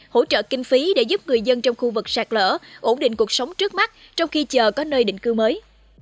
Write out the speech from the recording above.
hỗ trợ kinh phí để giúp người dân trong khu vực sạt lỡ ổn định cuộc sống trước mắt trong khi chờ có nơi định cư mới